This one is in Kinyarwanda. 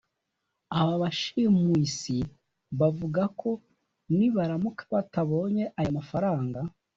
Aba bashimuisi bavuga ko nibaramuka batabonye aya mafaranga